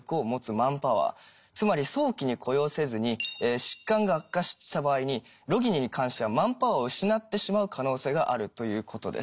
つまり早期に雇用せずに疾患が悪化した場合にロギニに関してはマンパワーを失ってしまう可能性があるということです。